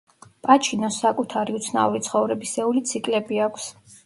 პაჩინოს საკუთარი უცნაური ცხოვრებისეული ციკლები აქვს.